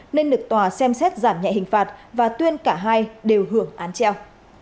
nên được tòa xem xét giảm nhẹ hình phạt và tuyên cả hai đều hưởng án treo